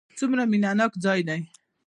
څومره مینه ناک ځای دی.